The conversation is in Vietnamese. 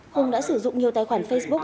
hùng đã sử dụng nhiều tài khoản facebook